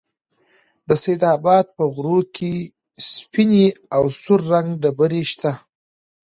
د سيدآباد په غرو كې سپينې او سور رنگه ډبرې شته